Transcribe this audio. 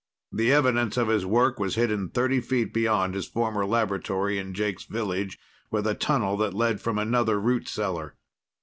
The evidence of his work was hidden thirty feet beyond his former laboratory in Jake's village, with a tunnel that led from another root cellar.